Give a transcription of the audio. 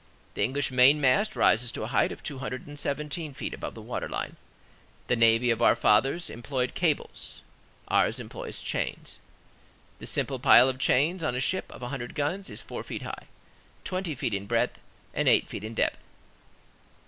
The English main mast rises to a height of two hundred and seventeen feet above the water line. The navy of our fathers employed cables, ours employs chains. The simple pile of chains on a ship of a hundred guns is four feet high, twenty feet in breadth, and eight feet in depth.